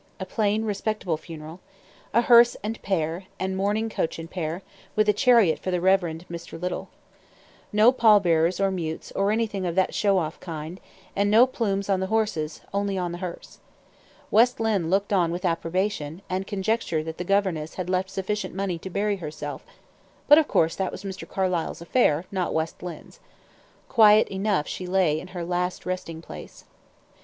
A plain, respectable funeral. A hearse and pair, and mourning coach and pair, with a chariot for the Rev. Mr. Little. No pall bearers or mutes, or anything of that show off kind; and no plumes on the horses, only on the hearse. West Lynne looked on with approbation, and conjectured that the governess had left sufficient money to bury herself; but, of course, that was Mr. Carlyle's affair, not West Lynne's. Quiet enough lay she in her last resting place.